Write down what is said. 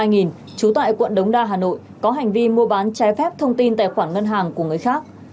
trú tại quận đống đa hà nội có hành vi mua bán trái phép thông tin tài khoản ngân hàng của người khác